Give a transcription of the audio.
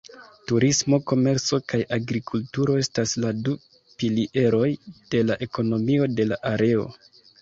Turismo, komerco kaj agrikulturo estas la du pilieroj de la ekonomio de la areo.